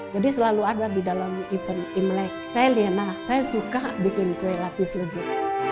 jadi selalu ada di dalam event imlek saya liena saya suka bikin kue lapis legit